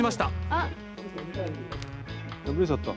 破れちゃった。